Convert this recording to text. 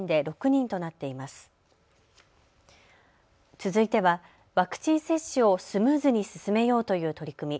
続いてはワクチン接種をスムーズに進めようという取り組み。